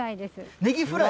ねぎフライ？